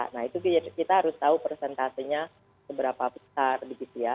nah itu kita harus tahu persentasenya seberapa besar begitu ya